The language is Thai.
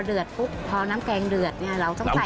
เดือดปุ๊บพอน้ำแกงเดือดเนี่ยเราต้องใส่